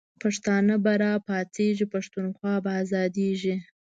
پښتانه به را پاڅیږی، پښتونخوا به آزادیږی